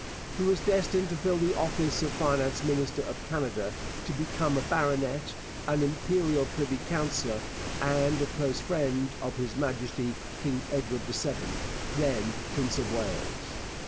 He was destined to fill the office of Finance minister of Canada, to become a baronet, an Imperial Privy Councillor, and a close friend of His Majesty King Edward VII, then Prince of Wales.